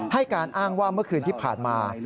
ให้การอ้างว่าเมื่อคืนที่ผ่านมา